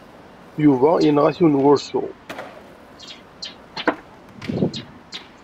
Yuba yenɣa-t yiwen n wursu.